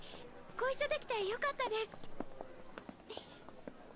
ご一緒できてよかったです。